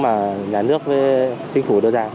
mà nhà nước với chính phủ đưa ra